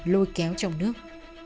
lôi kéo trong nước